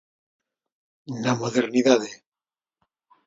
Na modernidade.